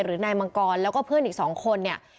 หรือนายมังกรแล้วก็เพื่อนอีกสองคนเนี่ย